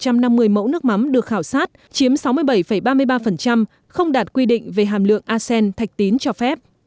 trong năm mươi mẫu nước mắm được khảo sát chiếm sáu mươi bảy ba mươi ba không đạt quy định về hàm lượng acen thạch tín cho phép